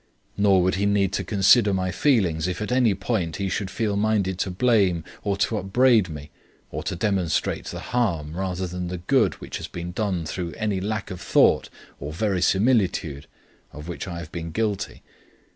Nor would he need to consider my feelings if at any point he should feel minded to blame or to upbraid me, or to demonstrate the harm rather than the good which has been done through any lack of thought or verisimilitude of which I have been guilty.